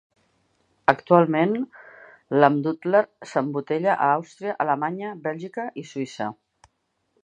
Actualment l'Almdudler s'embotella a Àustria, Alemanya, Bèlgica i Suïssa.